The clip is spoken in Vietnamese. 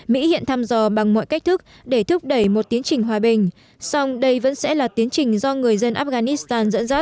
mỹ hiện thăm dò bằng mọi cách thức để thúc đẩy một tiến trình hòa bình song đây vẫn sẽ là tiến trình do người dân afghanistan dẫn dắt